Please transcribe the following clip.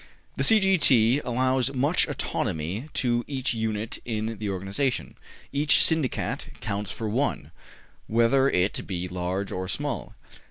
'' The C. G. T. allows much autonomy to each unit in the organization. Each Syndicat counts for one, whether it be large or small.